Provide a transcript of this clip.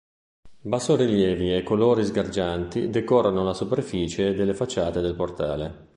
Bassorilievi e colori sgargianti decorano la superficie delle facciate del portale.